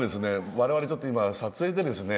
我々ちょっと今撮影でですね